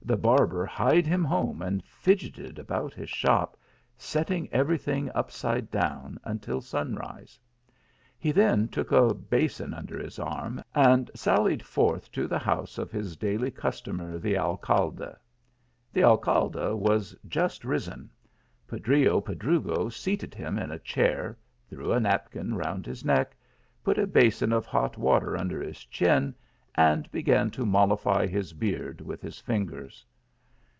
barber hied him home and fidgeted about his shop, setting every thing upside down, until sun rise. He then took a basin under his arm, and sallied forth to the house of his daily customer, the Alcalde. 160 THE ALUAMBRA. The Alcalde was just risen,, Pedrillo Pedrugo seated him in a chair, threw a napkin round his neck, put a basin of hot water under his chin, and began to mollify his beard with his fingers.